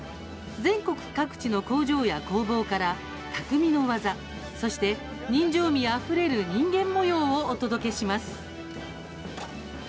全国各地の工場や工房からたくみの技、そして人情味あふれる人間もようをお届けします。